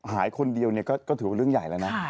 หายคนเดียวก็ถือว่าเรื่องใหญ่แล้วนะ